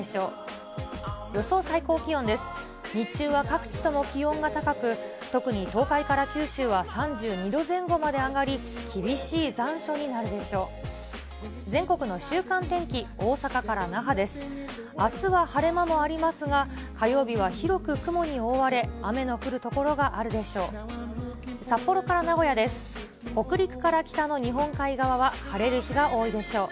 あすは晴れ間もありますが、火曜日は広く雲に覆われ、雨の降る所があるでしょう。